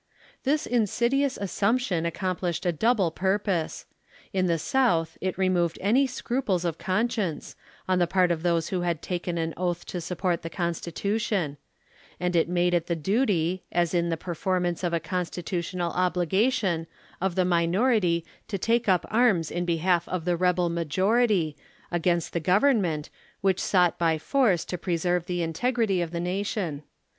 This insidious assumption accomplished a double pur pose. In the South it removed any scruples of conscience, on the part of those who had taken an oath to support the Constitution ; and it made it the duty, as in the per formance of a Constitutional obligation, of the minority to take up arms in behalf of the rebel majority, against the Government, which sought b}' force to preserve the integrity of the nation.